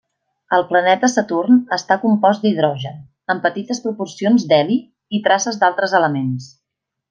El planeta Saturn està compost d'hidrogen, amb petites proporcions d'heli i traces d'altres elements.